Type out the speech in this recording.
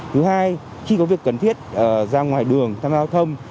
thứ hai khi có việc cần thiết ra ngoài đường tham gia giao thông